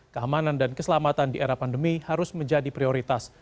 keamanan dan keselamatan di era pandemi harus menjadi prioritas